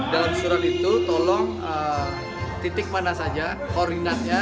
dalam surat itu tolong titik mana saja koordinatnya